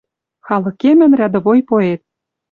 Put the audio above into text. Халыкемӹн рядовой поэт.